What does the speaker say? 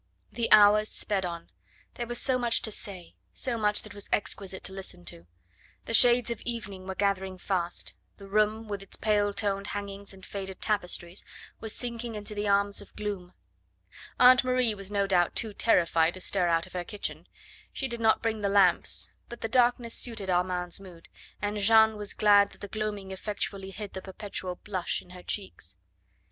The hours sped on; there was so much to say, so much that was exquisite to listen to. The shades of evening were gathering fast; the room, with its pale toned hangings and faded tapestries, was sinking into the arms of gloom. Aunt Marie was no doubt too terrified to stir out of her kitchen; she did not bring the lamps, but the darkness suited Armand's mood, and Jeanne was glad that the gloaming effectually hid the perpetual blush in her cheeks.